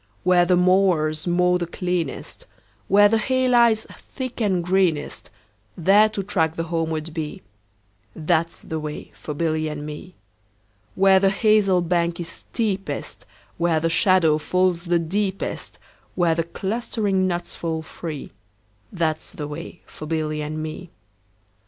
Where the mowers mow the cleanest, Where the hay lies thick and greenest, 10 There to track the homeward bee, That 's the way for Billy and me. Where the hazel bank is steepest, Where the shadow falls the deepest, Where the clustering nuts fall free, 15 That 's the way for Billy and me.